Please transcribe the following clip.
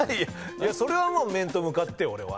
それはもう面と向かってよ。